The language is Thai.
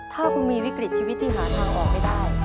ถ้าคุณมีวิกฤตชีวิตที่หาทางออกไม่ได้